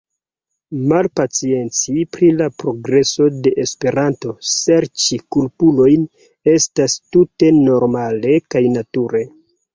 Malpacienci pri la progreso de Esperanto, serĉi kulpulojn, estas tute normale kaj nature.